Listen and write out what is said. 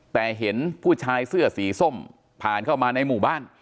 แต่เห็นผู้ชายเสื้อสีส้มผ่านเข้ามาในหมู่บ้าน